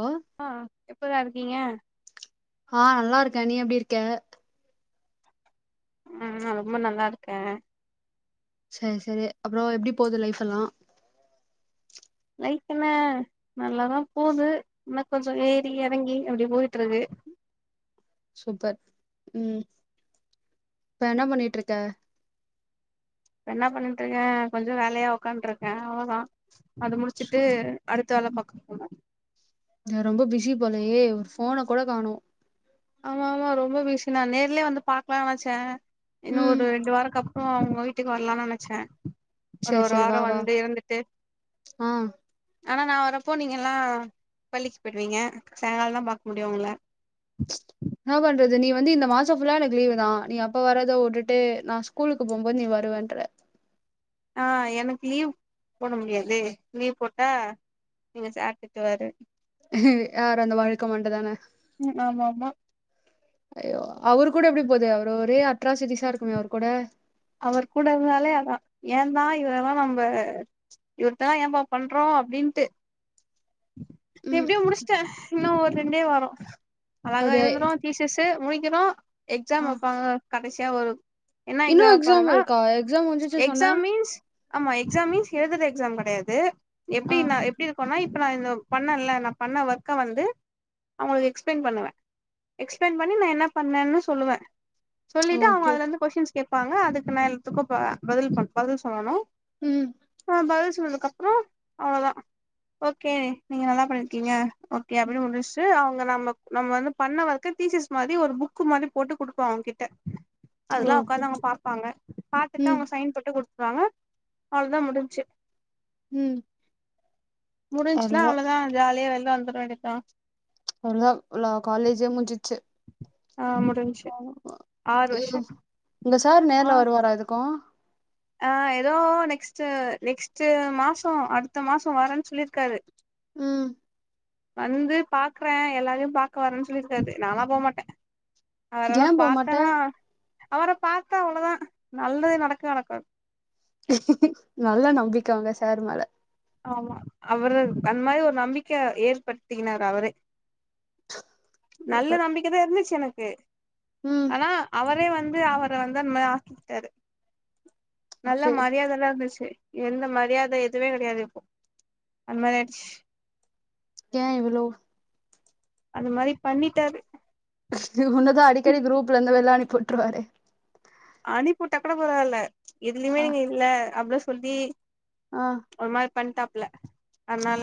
ஆ ஆ எப்புட்ற இருக்கீங்க ஆ நல்லா இருக்கே நீ எப்டி இருக்க ஆ நா ரொம்ப நல்லா இருக்கே சேரி சேரி அப்றோ எப்டி போது லைஃப் எல்லா லைஃப் என்ன நல்லாதா போது என்ன கொஞ்ச ஏறி எறங்கி அப்டி போயிட்ருக்கு சூப்பர் ம் இப்ப என்ன பண்ணிட்ருக்க இப்ப என்ன பண்ணிட்ருக்கே கொஞ்ச வேலையா ஒக்காந்ட்ருக்கே அவளதா அது முடிச்சுட்டு அடுத்த வேல பாக்க போணு நா ரொம்ப பிஸி போலையே ஒரு ஃபோனக் கூட காணோ ஆமா ஆமா ரொம்ப பிஸி நா நேர்லயே வந்து பாக்கலா நெனச்சே இன்னு ம் ஒரு ரெண்டு வாரக்கப் ப்றோ ஒங்க வீட்டுக்கு வரலான் நெனச்சே ஒரு சரி ஒரு சரி வார வா வா வந்து இருந்துட்டு ஆ ஆனா நா வரப்போ நீங்கலா பள்ளிக்கு போயிடுவீங்க சாய்ங்காலந்தா பாக்க முடியு உங்ள என்னா பண்றது நீ வந்து இந்த மாச ஃபுல்லா எனக்கு லீவு தா நீ அப்ப வரத விட்டுட்டு நா ஸ்கூலுக்கு போம்போது நீ வருவன்ற ஆ எனக்கு லீவ் போட முடியாதே லீவ் போட்டா எங்க சார் திட்டுவாரு யாரு அந்த வழுக்க மண்டதான ம் ஆமாம்மா ஐயோ அவர் கூட எப்டி போது அவரு ஒரே அட்ராசிட்டிஸா இருக்குமே அவர் கூட அவர் கூட இருந்தாலே அதா ஏந்தா இவரெல்லா நம்ப இவர்டலா ஏம்ப்பா பண்றோ அப்டின்ட்டு ம் எப்டியோ முடிச்டே இன்னு ஒரு ரெண்டே வார அழகா அப்டியா எழுதுறோ ஃபீச்சர்ஸு முடிக்கிறோ ஆ எக்ஸாம் வெப்பாங்க கடைசியா ஒரு என்ன இன்னு எக்ஸாம் வப் பாங்கனா இருக்கா எக்ஸாம் முடிஞ்சிச்சு சொன்ன எக்ஸாம் மீன்ஸ் ஆமா எக்ஸாம் மீன்ஸ் எழுதுற எக்ஸாம் கெடையாது ஆ எப்டின்னா எப்டி இருக்குன்னா இப்ப நா இந்த பண்ணன்ல நா பண்ண ஒர்க்க வந்து அவுங்களுக்கு எக்ஸ்பிளைன் பண்ணுவே எக்ஸ்பிளைன் பண்ணி நா என்ன பண்ணேன்னு சொல்லுவே சொல்லிட்டு அவங்க ஓகே அதுல இருந்து கொஷ்டின்ஸ் கேப்பாங்க அதுக்கு நா எல்லாத்துக்கு ப பதில் பண் பதில் சொல்லணு ம் ஆ பதில் சொன்னதுக்கு அப்பறோ அவ்வளதா ஓகே நீங்க நல்லா பண்ணிருக்கீங்க ஓகே அப்டின்னு முடிச்ட்டு அவங்க நம்ம நம்ம வந்து பண்ண ஒர்க்க டீச்சர்ஸ் மாதி ஒரு புக்கு மாதி போட்டு குடுப்பே அவங்ககிட்ட அதெல்லா ஓகே ஒக்காந்து அவங்க பாப்பாங்க பாத்துட்டு ம் அவங்க சைன் போட்டு குடுத்துருவாங்க அவ்வளதா முடிஞ்ச்சி ம் முடிஞ்ச்சுன்னா அவ்ளோதா அவ்வளதா ஜாலியா வெளில வந்துற வேண்டியதா ஒழுங்கா உள்ள காலேஜே முடிஞ்சிச்சு ஆ முடிஞ்ச்சி ஆறு வருஷம் இந்த சார் நேர்ல வருவாரா எதுக்கு ஆ ஏதோ நெக்ஸ்ட் நெக்ஸ்ட் மாசோ அடுத்த மாசோ வரேன்னு சொல்லிருக்காரு ம் வந்து பாக்குறே எல்லாரையு பாக்க வரேன்னு சொல்லிருக்காரு நாலா போமாட்டே ஏ அவரெல்லா போமாட்ட பாத்தேனா அவர பாத்தா அவ்வளதா நல்லதே நடக்கவே நடக்காது நல்ல நம்பிக்க உங்க சார் மேல ஆமா அவரு அந்த மாரி ஒரு நம்பிக்கை ஏற்படுத்திகினாரு அவரே நல்ல சூப்பர் நம்பிக்கைதா இருந்துச்சு எனக்கு ம் ஆனா அவரே வந்து அவர வந்து அந்த மாரி ஆக்கி கிட்டாரு நல்ல ஓகே மரியாதை எல்லா இருந்துச்சு எந்த மரியாதை எதுவே கெடையாது இப் அந்த மாரி ஆயிடுச்சு ஏ இவளோ அந்த மாதி பண்ணிட்டாரு ஒன்னதா அடிக்கடி குரூப்ல இந்து வெள்ள அனிப்பி வுட்ருவாறே அனிப்பி விட்டாக் கூட பரவால்ல எதுலியுமே ஆ நீங்க இல்ல அப்லா சொல்லி ஆ ஒர் மார் பண்டாப்ல அதனால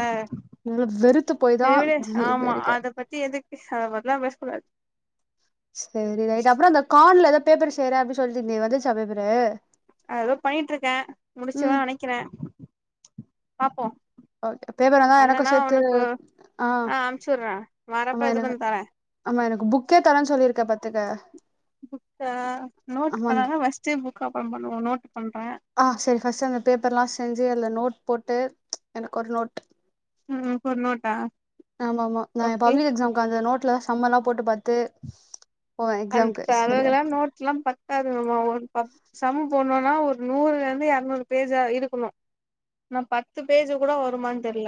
நல்லா வெறுத்து போய் தா செரி விடு இது ஆமா போயிருக்கே அத பத்தி எதுக்கு அத பத்லா பேசக்கூடாது செரி ரைட்டு அப்றோ அந்த கார்ட்ல எதோ பேப்பர் செய்றே அப்டி சொல்ட்டிந்தியே வந்துச்சா பேப்பரூ அது எதோ பண்ணிகிட்ருக்கே முடிச்சுவே நெனைக்கிறே பாப்போ ஓகே பேப்பர் வந்தா எனக்கு பண்ணனா சேத்து அவனுக்கு ஆ அமுச்சுடுறே ஆமா வரப்ப எத்துட்டு எனக்கு வந்து தரே ஆமா எனக்கு புக்கே தர்றேன்னு சொல்லிருக்க பாத்துக்க புக்கா நோட் ஆமா பேனாலா வஸ்ட்டு புக் அப்றோ பண்ணுவோ நோட் பண்றே ஆ செரி ஃபர்ஸ்ட் அந்த பேப்பர்லா செஞ்சி அதுல நோட் போட்டு எனக்கு ஒரு நோட் ம் இப்ப ஒரு நோட்டா ஆமா ஆமா நா ஏ ஓகே பப்ளிக் எக்ஸாம்க்கு அந்த நோட் லதா சம் எல்லா போட்டு பாத்து போவே அந்த எக்ஸாம்க்கு சம் சரியா கெல்லா நோட் லா பத் தாதுங்கம்மா ஒரு பத் சம் போட்ணுன்னா ஒரு நூறுல இருந்து எறநூறு பேஜா இருக்கணு ஆனா பத்து பேஜ் கூட வருமான்னு தெரில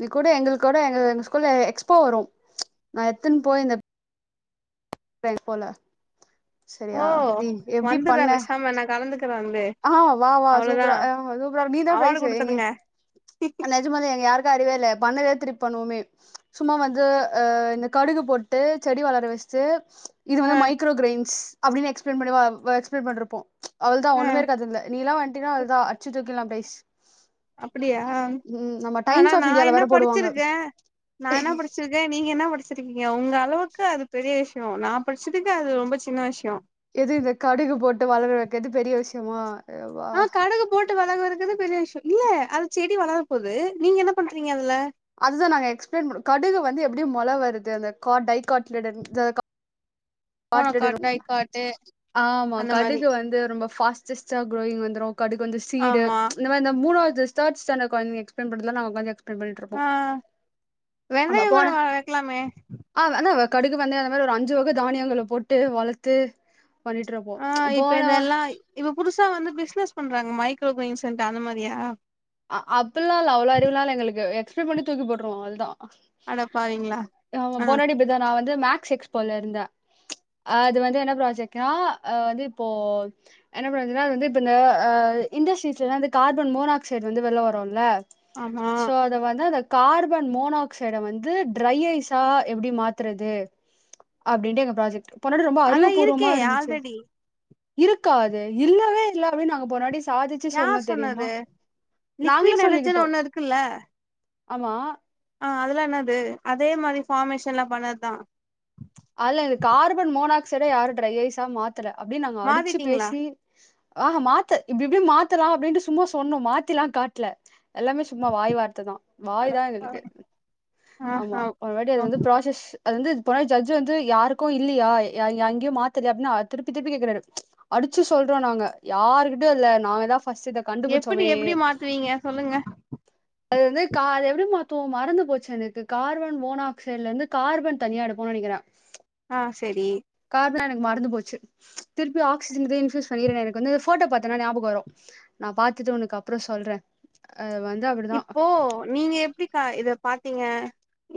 நீ குடு எங்களுக்கு கூட எங்க எங்க ஸ்கூல்ல எக்ஸ்போ வரு நா எத்தன்னு போய் இந்த இந்த எக்ஸ்போல ஓ சரியா நீ எப்டி வந்துடுறே பண்ண பேசாம நா கலந்துக்கிறே வந்து ஆ வா வா அவ்ளோதா சூப்பரா ஆ சூப்பரா இருக்கு நீதா பிரைஸ் எங்க ம் க்கும் நெஜமாலே எங்கயாருக்கு அறிவே இல்ல பண்ணதே திருப்பி பண்ணுவமே சும்மா வந்து ஆ இந்த கடுகு போட்டு செடி வளர வச்ட்டு இது ஆ வந்து மைக்ரோ க்ரெய்ன்ஸ் அப்டின் எக்ஸ்ப்ளைன் பண்ணிவா வ எக்ஸ்ப்ளைன் பண்ட்ருப்போ அவள்தா ஆ ஒண்ணுமே இருக்காது அத்ல நீல்லா வன்ட்டீனா அவள்தா அட்ச்சு தூக்கிலா ப்ரைஸ் அப்டியா ஆனா நா இந்தியால என்ன வேற போடுவாங்க படிச்சிருக்கே நா என்ன படிச்சிருக் கே நீங்க என்னா படிச்சிருக்கீங்க உங்களவுக்கு அது பெரிய விஷ்யோ நா படிச்சுதுக்கு அது ரொம்ப சின்ன விஷ்யோ எது இந்த கடுகு போட்டு வளர வெக்கிற்து பெரிய விஷ்யமா ஆ கடுகு போட்டு வளக்குவறதுக்கு பெரிய விஷ்யோ இல்ல அது செடி வளரப் போது நீங்க என்ன பண்றீங்க அதுல அதுதா நாங்க எக்ஸ்ப்ளைன் பண்ணோ கடுகு வந்து எப்டி மொள வருது அந்த காட் டைகோட்லிடன் ஜா க காட் லிடன் மோனோகாட் டைகாட்டு ஆமா அந்த மாரி கடுகு வந்து ரொம்ப ஃபாஸ் சஸ்டா க்ரோயிங் வந்துரு கடுகு வந்து சீடு ஆமா இந்த வ இந்த மூனாது தேர்ட்ஸ் ஸ்டாண்டர்ட் கொழந்தைங்க எக்ஸ்ப்ளைன் பண்றதுலா நாங்க ஒக்காந்து எக்ஸ் ப்ளைன் பண்ணிட்ருப்போ ஆ ஆமா வெந்தயோ கூட போன வ வைக்கலாமே ஆ ஆனா கடுகு வெந்தயோ அந்த மாரி ஒரு அஞ்சு வக தானியங்கள போட்டு வளத்து ஆ இப்ப இதெல்லாய் இப்ப புதுசா வந்து பிசினஸ் பண்றாங்க மைக்ரோ க்ரெய்ன்ஸ்ன்ட்டு அந்த மாரியா அ அப்பில்லா இல்ல அவ்ளோ அறிவுலால்ல எங்கள்க்கு எக்ஸ்ப்ளைன் பண்ட்டு தூக்கி போட்ருவோ அவ்ள்தா அட பாவிங்ளா போனவாட்டி இப்டிதா நா வந்து மேக்ஸ் எக்ஸ்போல இருந்தே அது வந்து என்ன ப்ராஜெக்ட்னா ஆ வந்து இப்போ என்ன ப்ராஜெக்ட்ன்னா அது வந்து இப்ப இந்த ஆ இன்டஸ்ட்ரீஸ்லலா வந்து கார்பன் மோனாக்சைட் வந்து வெள்ல வருல ஆமா அத வந்து அந்த கார்பன் மோனாக்சைட வந்து ட்ரை ஐஸா எப்டி மாத்துறது அப்டின்ட்டு எங்க ப்ராஜெக்ட் போனாவாட்டி ரொம்ப அறிவு அதா இருக்கே பூர்வமாருந்துச்சு ஆல்ரெடி இருக்கா அது இல்லவே இல்ல அப்டின் நாங்க போனவாட்டி சாதிச் யார் சொன்னது நாங்ளே லிக்விட் நைட்ரஜன் சொல்லிக்கிட்டோ ஒண்ணு இருக்குல்ல ஆமா ஆ அதெலா என்னாது அதே மாரி ஃபார்மேஷன்லா பண்ணதா அல்ல கார்பன் மோனாக்சைட யாரு ட்ரை ஐஸா மாத்தல அப்டின் நாங்க அடிச்சு மாத்திட்டீங்களா பேசி ஆ ஹா மாத்து இப்டி இப்டி மாத்தலா அப்டின்ட்டு சும்மா சொன்னோ மாத்திலா காட்ல எல்லாமே சும்மா வாய் வார்த்த தா வாய் தா எங்களுக்கு அடப்பாவி ஆ ஆமா ஹ போன வாட்டி அது ஓ வந்து ப்ராசஸ் அது வந்து ஜட்ஜ் வந்து யாருக்கு இல்லியா எங் எங்கியு மாத்தலையா அப்டின்னு திருப்பி திருப்பி கேக்குறாரு அடிச்சு சொல்றோ நாங்க யாருகிட்டுயு இல்ல நாங்கதா ஃபர்ஸ்ட் இத எப்டி கண்டுபிடிச்சோமே எப்டி மாத்துவீங்க சொல்லுங்க அது வந்து கா அது எப்டி மாத்துவோ மறந்து போச்சு எனக்கு கார்பன் மோனாக்சைட்லந்து கார்பன் தனியாடு ப்போ நெனைக்கிறே ஆ செரி கார்பனா எனக்கு மறந்து போச்சு திருப்பி ஆக்சிஜன்து இன்ஃபியூஸ் பண்ணி இருங்க எனக்கு வந்து ஃபோட்டோ பாத்தன்னா ஞாபகோ வரு நா பாத்துட்டு உனக்கு அப்றோ சொல்றே ஆ வந் இப்போ நீங்க எப்டிக்கா இத பாத்தீங்க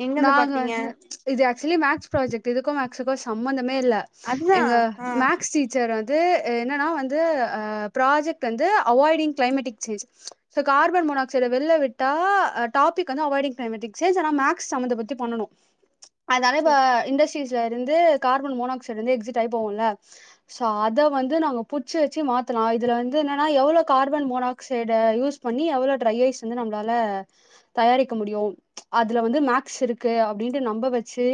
எங்கெருந்து நாங்க பாத்தீங்க வந்து இது ஆக்சுவலி மேக்ஸ் ப்ராஜெக்ட் இதுக்கு மேக்ஸ்க்கு சம்மந்தமே இல்ல அதுதா எங்க ஆ மேக்ஸ் டீ ச்சர் வந்து என்னன்னா வந்து ஆ ப்ராஜெக்ட் வந்து avoiding climatic change so carbon மோனாக்சைட வெள்ல விட்டா ஆ டாபிக் வந்து அவாய்டிங் கிளைமெட்டிக் சேஞ்ச் ஆனா மே சம்பந்த படுத்தி பண்ணணு அதனால இப்ப செரி இண்டஸ்ட் திச இருந்த கார்பன் மோனாக்சைடு வந்து எக்ஸிட் ஆயி போவுல்ல சா அத வந்து நாங்க புட்சு வச்சு மாத்தலா இதுல வந்து என்னன்னா எவ்ளோ கார்பன் மோனாக்சைட யூஸ் பண்ணி எவ்ளோ ட்ரை ஐஸ் வந்து நம்பளால தயாரிக்க முடியு அது இதுல வந்து மேக்ஸ் இருக்கு அப்டின்ட்டு நம்ப வச்சு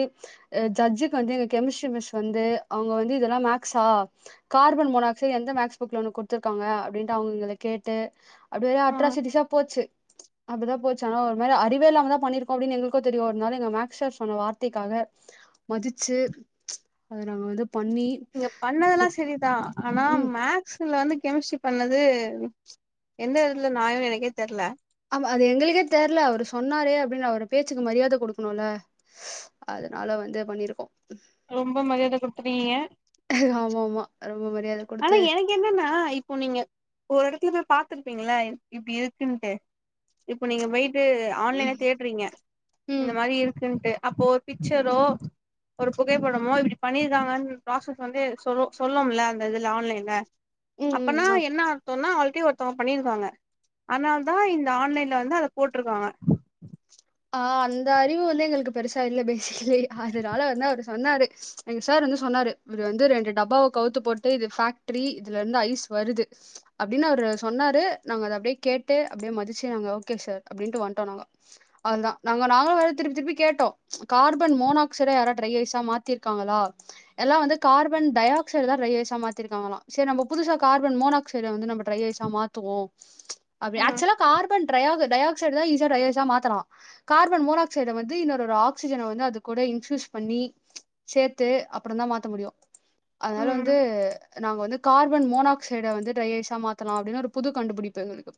ஆ ஜட்ஜுக்கு வந்து எங்க கெமிஸ்ட்ரி மிஸ் வந்து அவுங்க வந்து இதெல்லா மேக்ஸா கார்பன் மோனாக்சைட் எந்த மேக்ஸ் புக்ல ஒனுக் குடுத்துர்க்காங்க அப்டின்ட்டு அவங்கவங்கள கேட்டு அப்டி வேற ஆ அட்ராசிட்டிஸ்ச போச்சு அப்டிதா போச்சு ஆனா ஒரு மாரி அறிவே இல்லாம தா பண்ணிருக் அப்படின் எங்களுக்கு தெரியு ஒரு நாள் எங்க மேக்ஸ் சார் சொன்ன வார்த்தைக்காக மதிச்சு அது நாங்க வந்து பண்ணி நீங்க பண்ணதெல்லா திட் செரிதா ஆனா ம் மேக் க்ஸ்ல வந்து கெமிஸ்ட்ரி பண்ணது எந்த விதத்துல நியாய எனக்கே தெரில ஆமா அது எங்களுக்கே தெரில அவரு சொன்னாரே அப்படின் அவர பேச்சுக்கு மரியாத குடுக்கணுல அதனால வந்து பண்ணிருக்கோ ரொம்ப மரியாத குடுத்துட்டிங்க ஆமா ஆமா ரொம்ப மரியாத ஆனா குடுத்து எனக்கு என்னனா இப்போ நீங்க ஒரு இடத்துல போய் பாத்துருப்பீங்களா இப்படி இருக்குன்ட்டு இப்ப நீங்க போயிட்டு ஆன்லைன்ல ம் தேடுறீங்க இந்த ம் மாரி இருக்குன்ட்டு அப்போ பிக்சரோ ஒரு புகைப்படமோ இப்டி பண்ணியிருக்காங்கன்னு ப்ராசஸ் வந்து சொ சொல்லும்ல அதுல ஆன்லைன்ல ம் ம் அப்பனா ஆ என்ன சொன்னா ஆல்ரெடி ஒருத்தங்க பண்ணிருக்காங்க அதுனால தா இந்த ஆன்லைன்ல வந்து அத போட்ருக்காங்க ஆ அந்த அறிவு வந்து எங்களுக்கு பெருசா இல்ல பேசிக்கலி அதுனால வந்து அவரு சொன்னாரு எங்க சார் வந்து சொன்னாரு இவரு வந்து ரெண்டு டப்பாவ கவுத்து போட்டு இது ஃபேக்டரி இதுல இருந்து ஐஸ் வருது அப்டின் அவரு சொன்னாரு நாங்க அத அப்டியே கேட்டு அப்டியே மதிச்சு நாங்க ஓகே சார் அப்டின்ட்டு வந்துட்டோ நாங்க அவ்ளோதா நாங்க நாங்களு வேற திருப்பி திருப்பி கேட்டோ கார்பன் மோனாக்சைட யாரா ட்ரை ஐஸ்ஸா மாத்திருக்காங்களா எல்லா வந்து கார்பன் டை ஆக்சைடு தா டிரை ஐஸ்ஸா மாத்திருக்காங்களா சரி நம்ம புதுசா கார்பன் மோனக் சைட வந்து நம்ப ட்ரை ஐஸ்ஸா மாத்துவோ அப்டி ம் ஆக்சுலா கார்பன் ட்ரையாகு டை ஆக்சைடு தா ஈஸியா டிரை ஐஸ்ஸா மாத்தலா கார்பன் மோனாக்சைட வந்து இன்னொரு ஒரு ஆக்சிஜனை வந்து அது கூட இன்ஃப்யூஸ் பண்ணி சேத்து அப்பறதா மாத்த முடியு அதனால ம் வந்து நாங்க வந்து கார்பன் மோனாக்சைட வந்து ட்ரை ஐஸ்ஸா மாத்தலா அப்டின் ஒரு புது கண்டுபிடிப்பு எங்களுக்கு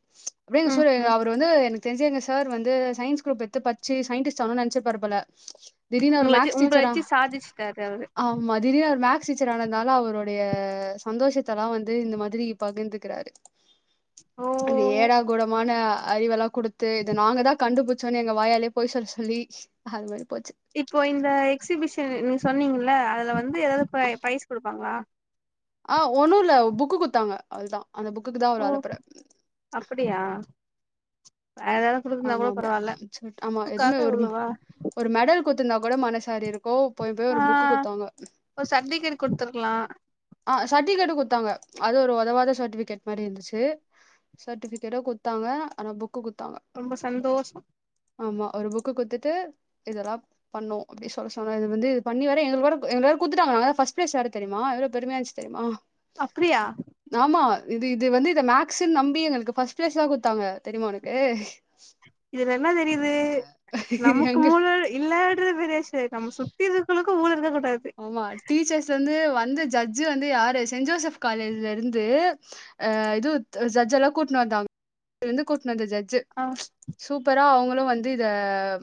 அப்டி சு ம் ம் அவர் வந்து எனக்கு தெரிஞ்சு எங்க சார் வந்து சயின்ஸ் குரூப் எடுத்து பட்ச்சு சயின்டிஸ்ட் ஆகனுன் நெனச்சிருப்பாரு போல திடீர்ன்னு அவரு உங்கள வச்சு மேக்ஸ் உங்கள டீச்சரா வச்சு சாதிச்சுட்டாரு அவரு ஆ மதிரியு அவரு மேக்ஸ் டீச்சர் ஆனது நாள அவருடைய சந்தோஷத்தல்லா வந்து இந்த மாதிரி பகிர்ந்துக்கிறாரு ஓ இப்டி ஏடா குடமான அறிவெலா குடுத்து இத நாங்க தா கண்டுபுடி ச்சோஎங்க வாயாலயே பொய் சொல்ல சொல்லி அது மாரி போச்சு இப்போ இந்த எக்ஸிபிஷன் நீங்க சொன்னீங்கல்ல அதுல வந்து எதாவது ப்ரை ப்ரைஸ் குடுப்பாங்களா ஆ ஒன்னு இல்ல புக்கு குடுத்தாங்க அவ்ளோ தா அந்த புக்குக்கு தா ஓ அவ்ளோ அலப்பற அப்படியா [inaudible] குடுக்கலன்னா ஆமா கூட ஆமா பரவால்ல சொல்ட் ஆமா எதுமே நட்புக்காக ஒரு இவ்ளவா ஒரு மெடல் குத்துருந்தா கூட மனசாரிருக்கு போய் போய் ஆ ஒரு புக் குடுத்தாங்க ஒரு சர்டிஃபிகேட் குடுத்துருக்கலா ஆ சர்டிபிகேட்டு் குடுத்தாங்க அது ஒரு உதவாத சர்டிபிகேட் மாரி இருந்துச்சி சர்டிபிகேட்டா குடுத்தாங்க ஆனா புக்கு குடுத்தாங்க ரொம்ப சந்தோஷோ ஆமா ஒரு புக்கு குத்துட்டு இதெல்லாப் பண்ணோ அப்டி சொல்ல சொன்னா இது வந்து பண்ணிவர எங்களுக்கு வேற எங்களுக்கு வேற குத்துட்டாங்க நாங்க தா ஃபர்ஸ்ட் ப்ரைஸ் யார் தெரியுமா எவ்ளோ பெருமையா இருந்துச்சு தெரிமா அப்புடியா ஆமா இது இது வந்து இத மேக்ஸ்ன்னு நம்பி எங்களுக்கு பஸ்ட் ப்ளைஸ் தா குடுத்தாங்க தெரியுமா உனக்கு இதுல்லா என்ன தெரியுது நமக்கு எங்க மூல இல்லன்றது பெரிய கேக்காம சுத்தி இருக்குவளுக்கு ஊர் இருக்கக்கூடாது ஆமா டீச்சர்ஸ் வந்து வந்த ஜட்ஜ் வந்து யாரு செயின்ட் ஜோசப் காலேஜ்ல இருந்து ஆ இது ஜட்ஜ் எல்லா கூட்டுணு வந்தாங்க [inaudible] கூட்டுனு வந்த ஜட்ஜி ஆ சூப்பரா அவங்களும் வந்து இத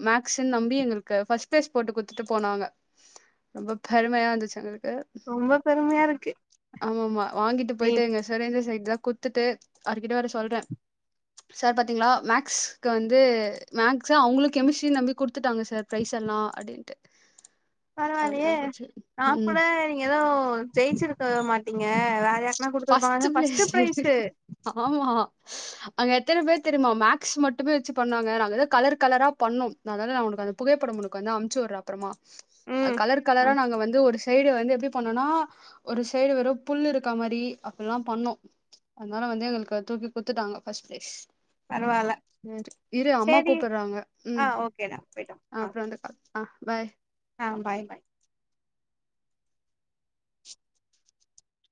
மேக்ஸ்ன்னு நம்பி எங்களுக்கு ஃபர்ஸ்ட் ப்ளைஸ் போட்டு குடுத்துட்டு போனாங்க ரொம்ப பெருமையா இருந்துச்சு எங்களுக்கு ரொம்ப பெருமையா இருக்கு ஆமாமா வாங்கிட்டு நீ போயிட்டேங்க தெரிஞ்ச சைட் எல்லா குத்துட்டு அவர்கிட்ட வேற சொல்ற சார் பாத்தீங்களா மேக்ஸ்க்கு வந்து மேக்ஸ் அவங்களு கெமிஸ்ட்ரி நம்பி குடுத்துட்டாங்க சார் பிரைஸ் என்னா அடின்ட்டு பரவாயில்லயே நா ம் கூட நீங்க ஏதோ ஜெயிச்சுருக்க மாட்டீங்க வேறயா ம குடுத்துருப்பாங்க ஃபர்ஸ்ட் பிளேஸ்ல இருக்கு. ப்ரைஸு ஆமா அங்க எத்தன பேர் தெரியுமா மேக்ஸ் மட்டுமே வச்சி பண்ணுவாங்க நாங்க எதோ கலர் கலரா பண்ணோ அதல்லா உனக்கு அது புகைப்படம் உனக்கு வந்து அம்ச்சு உடுற அப்புறமா அ ம் கலர் கலரா நாங்க வந்து ஒரு சைடு வந்து எப்டி பண்ணோன்னா ஒரு சைடு வெறு புல் இருக்க மாரி அப்டிலா பண்ணோ அதனால வந்து எங்களுக்கு தூக்கி குத்துட்டாங்க பர்ஸ்ட் பிரைஸ் பரவால்ல இரு அம்மா சேரி கூப்றாங்க ஆ ம் ஓகேடா போயிட்டு அ ஆ அப்ரோ வந்தக்கா ஆ பாய் ஆ பாய் பாய்